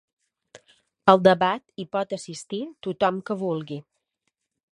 Al debat hi pot assistir tothom que vulgui